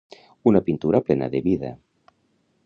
Una pintura plena de vida.